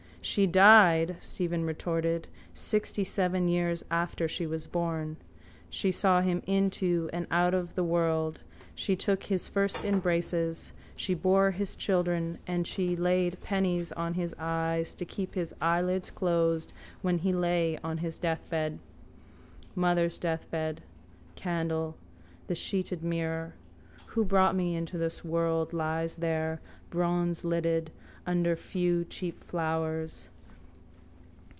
—She died, Stephen retorted, sixtyseven years after she was born. She saw him into and out of the world. She took his first embraces. She bore his children and she laid pennies on his eyes to keep his eyelids closed when he lay on his deathbed. Mother's deathbed. Candle. The sheeted mirror. Who brought me into this world lies there, bronzelidded, under few cheap flowers.